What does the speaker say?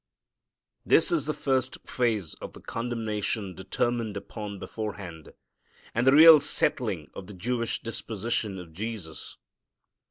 This is the first phase of the condemnation determined upon beforehand, and the real settling of the Jewish disposition of Jesus.